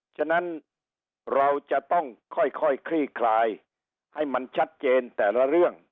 ฉะนั้นเราจะต้องค่อยคลี่คลายให้มันชัดเจนแต่ละเรื่อง